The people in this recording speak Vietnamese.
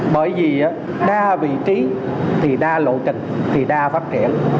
bởi vì đa vị trí thì đa lộ trình thì đa phát triển